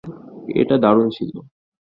এটা দারুণ ছিল।